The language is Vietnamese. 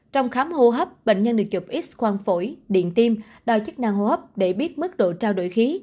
trong khám hô hấp bệnh nhân được chụp x quang phổi điện tim đòi chức năng hô hấp để biết mức độ trao đổi khí